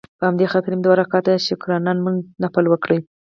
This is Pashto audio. په همدې خاطر مې دوه رکعته شکريه نفل وکړ.